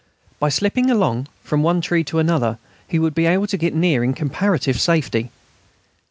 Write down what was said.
By slipping along from one tree to another he would be able to get near in comparative safety.